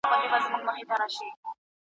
ایا ته په خپله موضوع کي پوره تخصص لرې؟